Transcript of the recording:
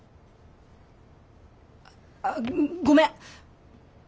ああごめん。